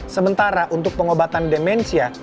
sementara untuk pengobatan demensia